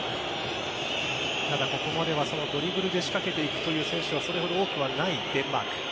ただ、ここまではドリブルで仕掛けていくという選手が、それほど多くはないデンマーク。